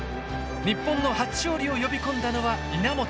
日本の初勝利を呼び込んだのは稲本。